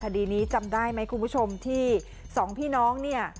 คดีนี้จำได้ไหมคุณผู้ชมที่สองพี่น้องเนี่ย